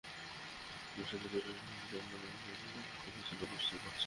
এখন দুই শিশু সন্তান নিয়ে তিনি কীভাবে সংসার চালাবেন, বুঝতে পারছেন না।